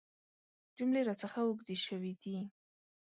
جملې راڅخه اوږدې شوي دي .